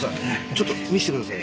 ちょっと診せてください。